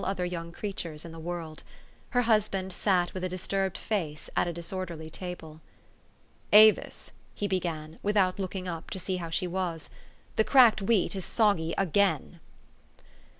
other young creatures in the world. Her husband sat with a disturbed face at a disorderly table. " Avis," he began, without looking up to see how she was, " the cracked wheat is soggy again."